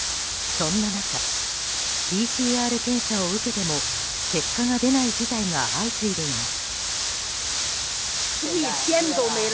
そんな中、ＰＣＲ検査を受けても結果が出ない事態が相次いでいます。